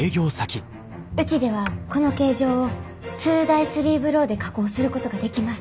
うちではこの形状を２ダイ３ブローで加工することができます。